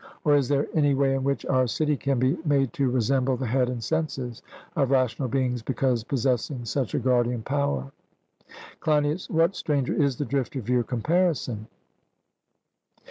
or is there any way in which our city can be made to resemble the head and senses of rational beings because possessing such a guardian power? CLEINIAS: What, Stranger, is the drift of your comparison?